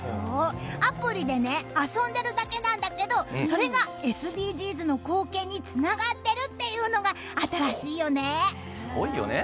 アプリで遊んでるだけなんだけどそれがＳＤＧｓの貢献につながってるっていうのがすごいよね！